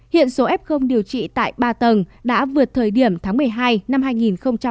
hiện số f điều trị tại ba tầng